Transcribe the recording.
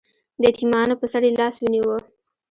د یتیمانو په سر یې لاس ونیو.